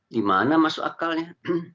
di mana masuk akalnya